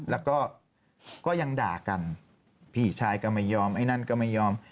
แล้วก็ก็ยังด่ากันพี่ชายก็ไม่ยอมไอ้นั่นก็ไม่ยอม